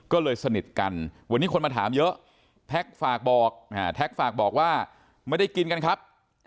ก็เลยสนิทกันวันนี้คนมาถามเยอะแท็กฝากบอกแท็กฝากบอกว่าไม่ได้กินกันครับ